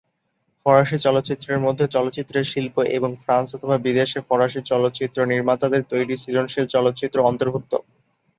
ফরাসি চলচ্চিত্রের মধ্যে চলচ্চিত্রের শিল্প এবং ফ্রান্স অথবা বিদেশে ফরাসি চলচ্চিত্র নির্মাতাদের তৈরি সৃজনশীল চলচ্চিত্র অন্তর্ভুক্ত।